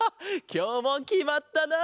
きょうもきまったな！